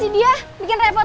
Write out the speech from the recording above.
compared ke tadi nggak public